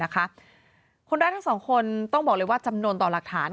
คนร้ายทั้งสองคนต้องบอกเลยว่าจำนวนต่อหลักฐาน